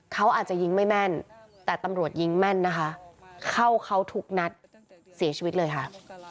เขาอาจจะยิงไม่แม่นแต่ตำรวจยิงแม่นนะคะเข้าเขาทุกนัดเสียชีวิตเลยค่ะ